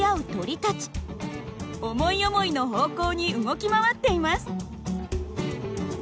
思い思いの方向に動き回っています。